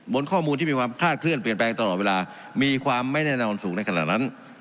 ข้อมูลที่มีความคลาดเคลื่อนเปลี่ยนแปลงตลอดเวลามีความไม่แน่นอนสูงในขณะนั้น